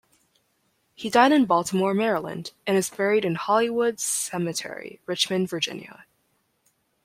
He died in Baltimore, Maryland, and is buried in Hollywood Cemetery, Richmond, Virginia.